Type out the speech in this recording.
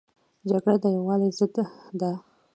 جګړه د یووالي ضد ده